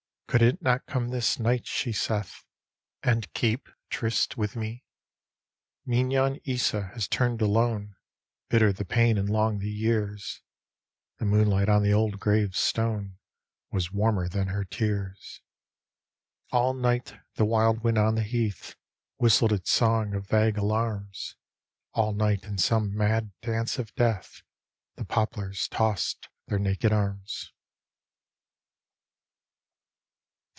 Could it not come this nig^t," she saith, " And keep tryst with me? " Mignon Isa has turned alone, Bitter the pain and long the years; The moonlight on the old gravestone Was warmer than her tears. All night the wild wind on the heath Whistled its song of vague alarms; All night in some mad dance of death The poplars tossed their naked arms.